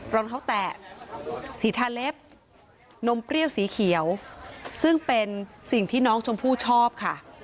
รองเท้าแตะสีทาเล็บนมเปรี้ยวสีเขียวซึ่งเป็นสิ่งที่น้องชมพู่ชอบค่ะ